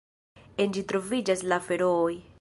En ĝi troviĝas la Ferooj.